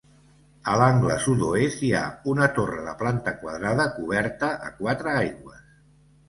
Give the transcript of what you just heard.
A l'angle sud-oest hi ha una torre de planta quadrada coberta a quatre aigües.